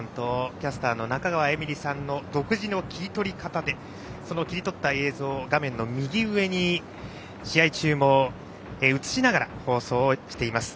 キャスターの中川絵美里さんの独自の切り取り方でその切り取った映像を画面の右上に試合中も映しながら放送をしています。